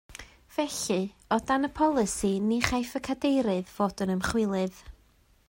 Felly o dan y polisi ni chaiff y cadeirydd fod yn ymchwilydd